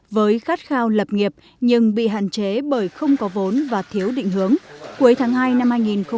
với khát khao lập nghiệp nhưng bị hạn chế bởi không có vốn và thiếu định hướng cuối tháng hai năm hai nghìn hai mươi